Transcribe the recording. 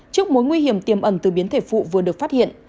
trước mối nguy hiểm tiềm ẩn từ biến thể phụ vừa được phát hiện